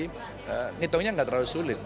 hitungnya nggak terlalu sulit